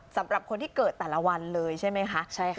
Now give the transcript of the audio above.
สำหรับคนที่เกิดแต่ละวันเลยใช่ไหมคะ